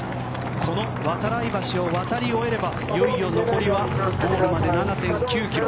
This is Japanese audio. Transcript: この度会橋を渡り終えればいよいよゴールまで７．９ｋｍ。